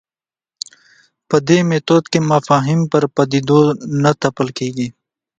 په دې میتود کې مفاهیم پر پدیدو نه تپل کېږي.